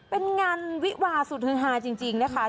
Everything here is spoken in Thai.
เป็นงานวิวาสุฤหาฯจริงนะคะ